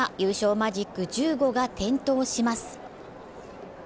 マジック１５が点灯します。